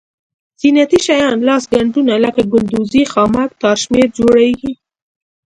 زینتي شیان لاسي ګنډونه لکه ګلدوزي خامک تار شمېر جوړیږي.